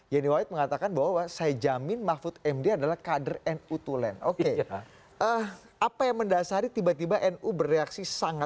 jelang penutupan pendaftaran